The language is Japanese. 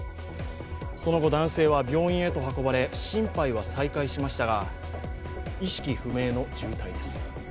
その後、男性は病院へと運ばれ心拍は再開しましたが意識不明の重体です。